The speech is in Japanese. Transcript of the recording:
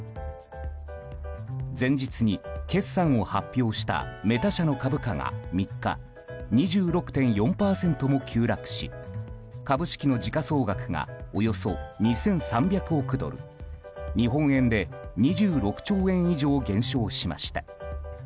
前日に決算を発表したメタ社の株価が３日２６．４％も急落し株式の時価総額がおよそ２３００億ドル日本円で２６兆円以上減少しました。